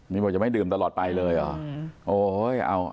นี่บอกจะไม่ดื่มตลอดไปเลยเหรอ